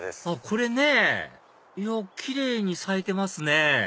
これね奇麗に咲いてますね